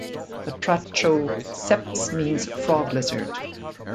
Batracho-seps means frog-lizard.